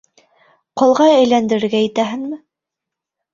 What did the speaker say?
Ҡолға әйләндерергә итәһеңме?